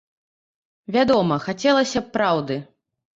Вядома, хацелася б праўды.